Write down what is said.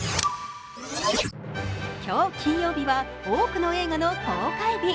今日、金曜日は多くの映画の公開日。